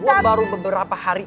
gue baru beberapa hari